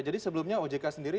jadi sebelumnya ojk sendiri